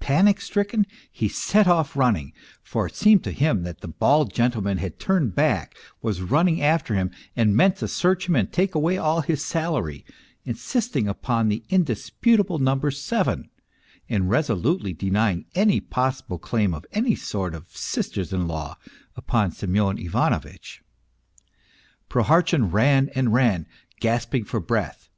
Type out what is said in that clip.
Panic stricken he set off running, for it seemed to him that the bald gentleman had turned back, was running after him, and meant to search him and take away all his salary, insist ing upon the indisputable number seven, and resolutely denying any possible claim of any sort of sisters in law upon Semyon Ivano vitch. Prohartchin ran and ran, gasping for breath.